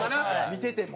見てても。